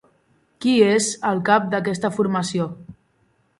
Qui és el cap d'aquesta formació?